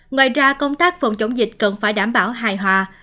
ngoài ra công tác phòng chống dịch cần phải đảm bảo hài hòa